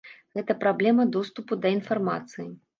Гэта праблема доступу да інфармацыі.